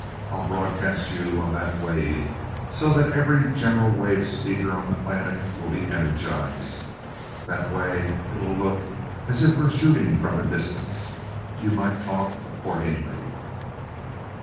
I'll broadcast you on that wave, so that every general wave speaker on the planet will be energized. That way, it'll look as if we're shooting from a distance. You might talk accordingly."